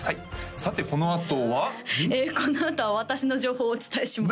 さてこのあとはこのあとは私の情報をお伝えします